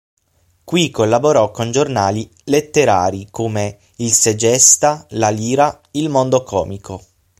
Qui collaborò con giornali letterari come "Il Segesta", "La Lira", "il Mondo Comico".